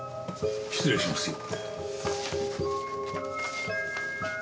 失礼しますよ。